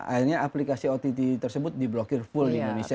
akhirnya aplikasi ott tersebut diblokir full di indonesia